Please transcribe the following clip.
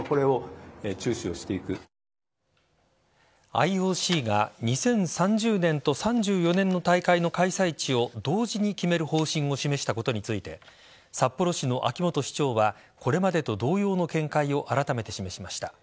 ＩＯＣが２０３０年と３４年の大会の開催地を同時に決める方針を示したことについて札幌市の秋元市長はこれまでと同様の見解をあらためて示しました。